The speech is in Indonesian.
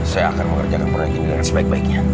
saya akan mengerjakan proyek ini dengan sebaik baiknya